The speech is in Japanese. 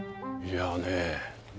いやね